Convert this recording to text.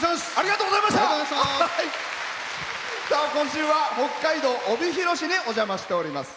今週は北海道帯広市にお邪魔しております。